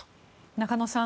中野さん